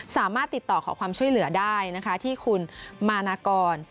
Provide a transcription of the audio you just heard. สามารถติดต่อขอความช่วยเหลือได้นะคะที่คุณมานากร